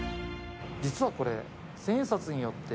実はこれ。